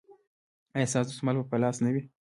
ایا ستاسو دستمال به په لاس نه وي؟